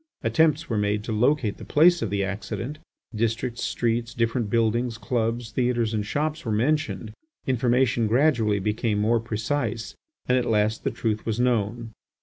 Attempts were made to locate the place of the accident; districts, streets, different buildings, clubs, theatres, and shops were mentioned. Information gradually became more precise and at last the truth was known.